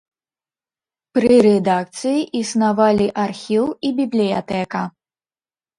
Пры рэдакцыі існавалі архіў і бібліятэка.